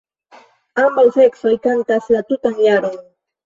Ambaŭ seksoj kantas la tutan jaron.